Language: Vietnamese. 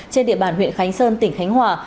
trên địa bàn huyện khánh sơn tỉnh khánh hòa